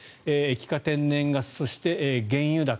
液化天然ガスそして原油高。